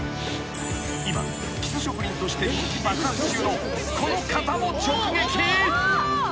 ［今キス職人として人気爆発中のこの方も直撃］